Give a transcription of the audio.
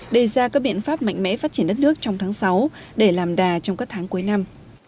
đề ra các biện pháp mạnh mẽ phát triển đất nước trong tháng sáu để làm đà trong các tháng cuối năm